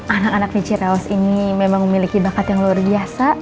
anak anak di cireus ini memang memiliki bakat yang luar biasa